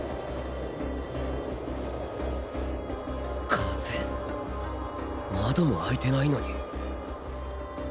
風窓も開いてないのに。